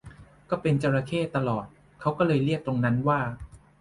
ก็เป็นจระเข้ตลอดเขาก็เลยเรียกตรงนั้นว่า